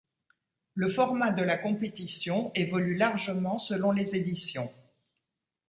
Le format de la compétition évolue largement selon les éditions.